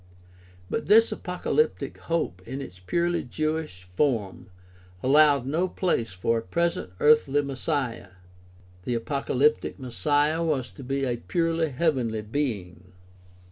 But this apocalyptic hope in its purely Jewish form allowed no place for a present earthly Messiah. The apocalyptic Messiah was to be a purely heavenly being.